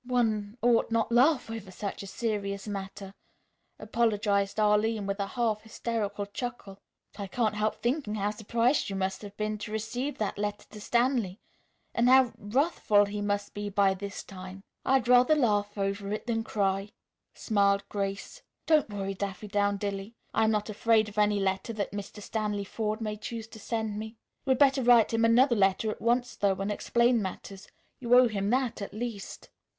"One ought not laugh over such a serious matter," apologized Arline, with a half hysterical chuckle. "But I can't help thinking how surprised you must have been to receive that letter to Stanley, and how wrathful he must be by this time." "I'd rather laugh over it than cry," smiled Grace. "Don't worry, Daffydowndilly. I'm not afraid of any letter that Mr. Stanley Forde may choose to send me. You had better write him another letter at once, though, and explain matters. You owe him that, at least."